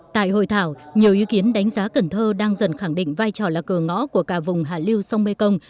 tại hội thảo nhiều ý kiến đánh giá cần thơ đang dần khẳng định vai trò là cờ ngõ của cả vùng hạ liêu sông mê công